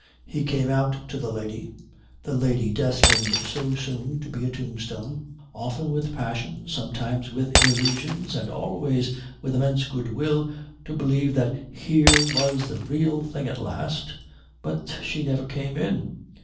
He came out to the lady, the lady destined so soon to be a tombstone, often with passion, sometimes with illusions, and always with immense goodwill to believe that here was the real thing at last, but she never came in.